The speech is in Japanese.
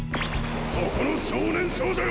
・そこの少年少女よ！